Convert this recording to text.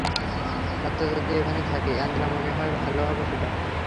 রাতটা যদি এখানে থাকো, অ্যাঞ্জেলা মনে হয় ভালো হবে সেটা!